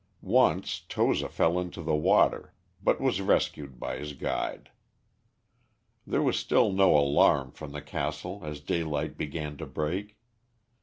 Once Toza fell into the water, but was rescued by his guide. There was still no alarm from the castle as daylight began to break.